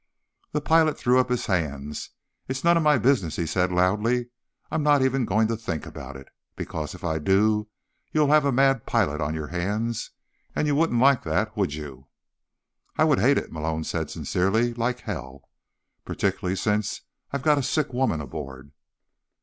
The pilot threw up his hands. "It's none of my business," he said loudly. "I'm not even going to think about it. Because if I do, you'll have a mad pilot on your hands, and you wouldn't like that, would you?" "I would hate it," Malone said sincerely, "like hell. Particularly since I've got a sick woman aboard."